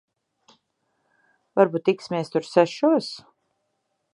Varbūt tiksimies tur sešos?